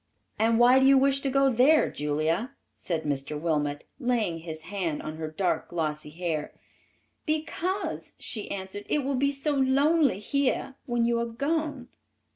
"And why do you wish to go there, Julia?" said Mr. Wilmot, laying his hand on her dark, glossy hair. "Because," she answered, "it will be so lonely here when you are gone."